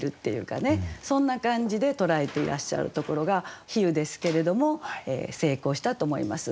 そんな感じで捉えていらっしゃるところが比喩ですけれども成功したと思います。